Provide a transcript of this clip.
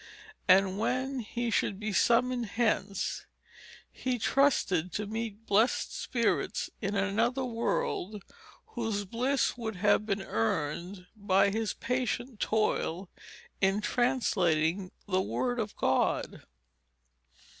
And when he should be summoned hence, he trusted to meet blessed spirits in another world, whose bliss would have been earned by his patient toil, in translating the Word of God.